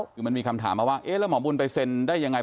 คือมันมีคำถามมาว่าเอ๊ะแล้วหมอบุญไปเซ็นได้ยังไง